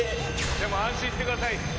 でも安心してください！